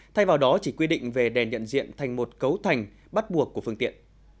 thay vào đó chỉ quy định về đèn nhận diện thành một cấu thành bắt buộc của phương tiện